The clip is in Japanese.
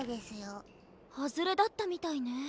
ハズレだったみたいね。